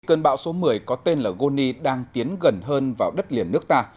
cơn bão số một mươi có tên là goni đang tiến gần hơn vào đất liền nước ta